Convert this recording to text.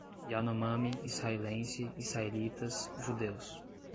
Yanomami, israelense, israelitas, judeus